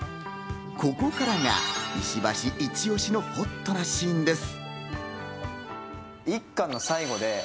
ここからが石橋、イチ押しのほっとなシーンです。